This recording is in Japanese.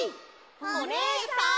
おねえさん！